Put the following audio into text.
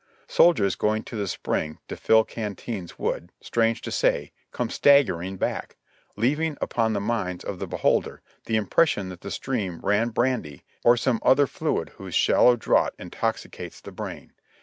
Soldiers going to the spring to fill canteens would, strange to say, come staggering back, leaving upon the minds of the beholder the impression that the stream rai,i brandy or some other fluid whose "shallow draught intoxicates the brain."